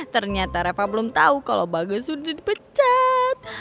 ternyata reva belum tau kalo bagas udah dipecat